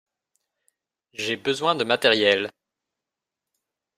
J’ai besoin de matériels.